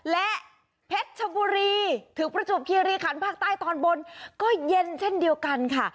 และเพชรชบุรีถึงประจวบคีรีคันภาคใต้ตอนบนก็เย็นเช่นเดียวกันค่ะ